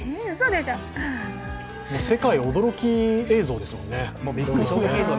世界、驚き映像ですよね。